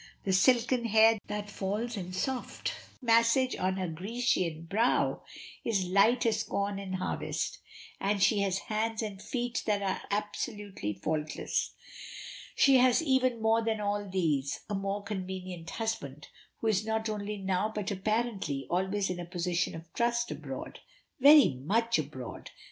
The silken hair that falls in soft masses on her Grecian brow is light as corn in harvest, and she has hands and feet that are absolutely faultless. She has even more than all these a most convenient husband, who is not only now but apparently always in a position of trust abroad. Very much abroad.